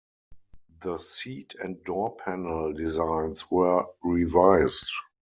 The seat and door panel designs were revised.